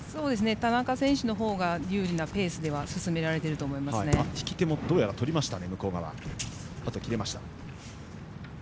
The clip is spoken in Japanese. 田中選手のほうが有利なペースでは引き手もとりましたね。